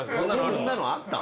そんなのあった？